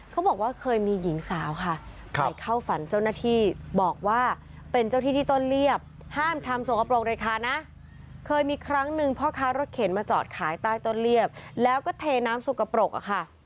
เขาบอกว่าเคยมีหญิงสาวค่ะไปเข้าฝันเจ้าหน้าที่บอกว่าเป็นเจ้าที่ที่ต้นเรียบห้ามทำสกปรกเลยค่ะนะเคยมีครั้งหนึ่งพ่อค้ารถเข็นมาจอดขายใต้ต้นเรียบแล้วก็เทน้ำสกปรกอะค่ะ